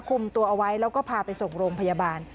คุมตัวเอาไว้แล้วก็พาไปส่งโรงพยาบาล